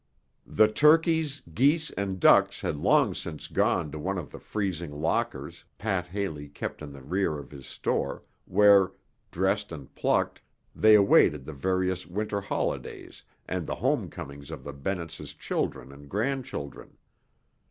The turkeys, geese and ducks had long since gone to one of the freezing lockers Pat Haley kept in the rear of his store, where, dressed and plucked, they awaited the various winter holidays and the homecomings of the Bennetts' children and grandchildren.